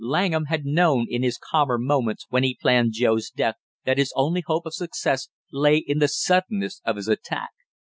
Langham had known in his calmer moments when he planned Joe's death, that his only hope of success lay in the suddenness of his attack.